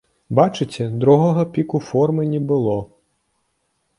Бачыце, другога піку формы не было.